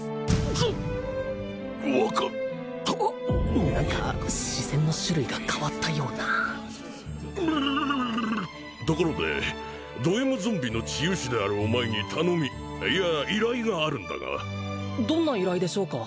じゅっ分かった何か視線の種類が変わったようなところでドＭゾンビの治癒士であるお前に頼みいや依頼があるんだがどんな依頼でしょうか？